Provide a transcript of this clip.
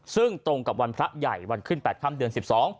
ซึ่งตรงกับวันพระใหญ่วันขึ้น๘ค่ำเดือน๑๒